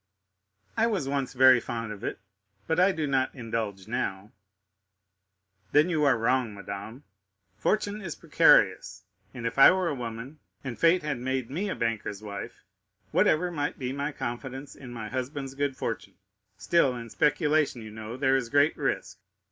"I was once very fond of it, but I do not indulge now." "Then you are wrong, madame. Fortune is precarious; and if I were a woman and fate had made me a banker's wife, whatever might be my confidence in my husband's good fortune, still in speculation you know there is great risk.